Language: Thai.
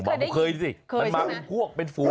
มันเคยสิมันมักพวกเป็นฟู